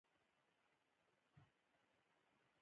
عیسویان وایي عیسی مسیح دلته صلیب شوی و.